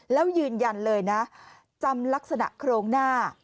แล้วยืนยันเลยนะจำลักษณะโครงหน้า